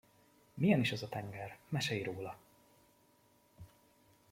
Milyen is az a tenger, mesélj róla!